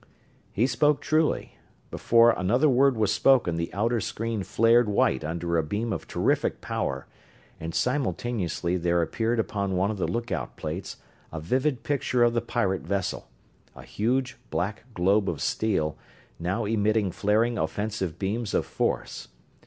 He spoke truly. Before another word was spoken the outer screen flared white under a beam of terrific power, and simultaneously there appeared upon one of the lookout plates a vivid picture of the pirate vessel a huge, black globe of steel, now emitting flaring offensive beams of force.